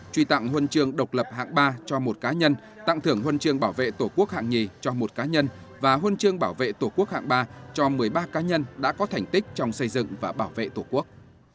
truy tặng huân trường độc lập hạng ba cho một cá nhân tặng thưởng huân chương bảo vệ tổ quốc hạng hai cho một cá nhân và huân chương bảo vệ tổ quốc hạng ba cho một mươi ba cá nhân đã có thành tích trong xây dựng và bảo vệ tổ quốc